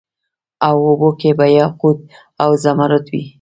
او اوبو کي به یاقوت او زمرود وي